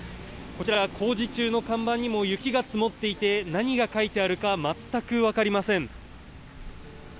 こちら、工事中の看板にも雪が積もっていて何が書いてあるか全く分かりません。